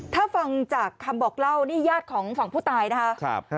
ถ้าฟังจากคำบอกเล่านี่ญาติของฝั่งผู้ตายนะคะ